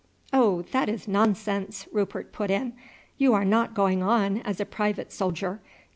"Oh, that is nonsense!" Rupert put in. "You are not going on as a private soldier.